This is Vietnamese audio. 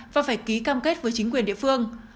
và phải ký cam kết với chính quyền địa phương